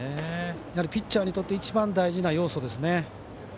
やはりピッチャーにとって一番大事な要素ですね。